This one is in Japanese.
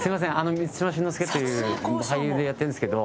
満島真之介という俳優でやってるんですけど。